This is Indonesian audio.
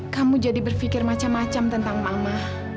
kamu jadi berpikir macam macam tentang mama